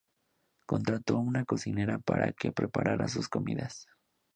Contrató a una cocinera para que preparara sus comidas.